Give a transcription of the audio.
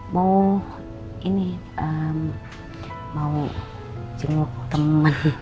mau ini mau jemput temen